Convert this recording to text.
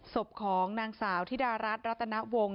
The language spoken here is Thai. ศพของนางสาวธิดารัฐรัตนวงศ